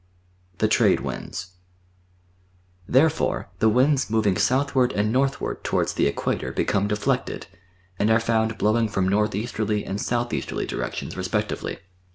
The Trade Winds Therefore the winds moving southward and northward to wards the Equator become deflected, and are found blowing from north easterly and south easterly directions respectively.